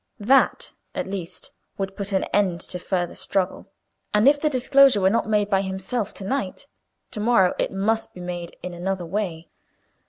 That, at least, would put an end to further struggle; and if the disclosure were not made by himself to night, to morrow it must be made in another way.